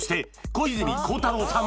小泉孝太郎さん